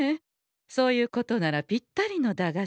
そういうことならぴったりの駄菓子が。